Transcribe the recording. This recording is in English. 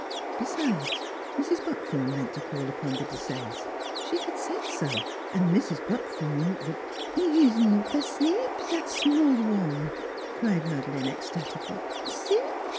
Besides, Mrs. Buckthorn meant to call upon the Desayes: she had said so. And Mrs. Buckthorn would " 'E ees not as leep zat small one," cried Madeleine ecstatically. " See